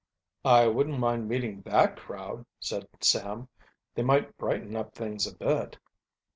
"I wouldn't mind meeting that crowd," said Sam. "They might brighten up things a bit."